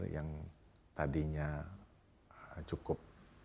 yang tadinya cukup